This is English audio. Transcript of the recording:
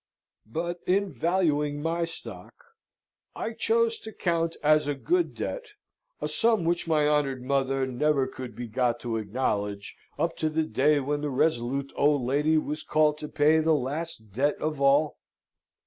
But in valuing my stock, I chose to count as a good debt a sum which my honoured mother never could be got to acknowledge up to the day when the resolute old lady was called to pay the last debt of all.